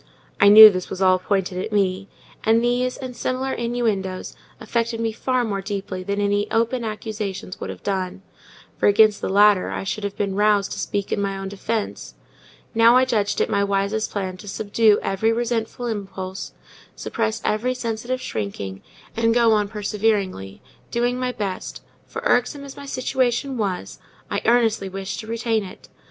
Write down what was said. I knew this was all pointed at me; and these, and all similar innuendoes, affected me far more deeply than any open accusations would have done; for against the latter I should have been roused to speak in my own defence: now I judged it my wisest plan to subdue every resentful impulse, suppress every sensitive shrinking, and go on perseveringly, doing my best; for, irksome as my situation was, I earnestly wished to retain it.